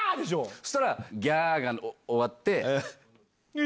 そしたらギャ！が終わって。